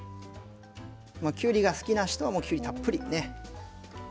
きゅうりが好きな人はたっぷりね。